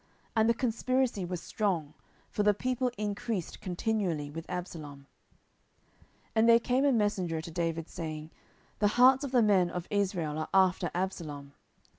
And the conspiracy was strong; for the people increased continually with Absalom. 10:015:013 And there came a messenger to David, saying, The hearts of the men of Israel are after Absalom.